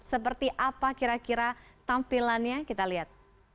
seperti apa kira kira tampilannya kita lihat